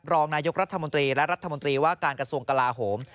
รองนายกรัฐมนตรีและรัฐมนตรีว่าการกระทรวงกลาโหม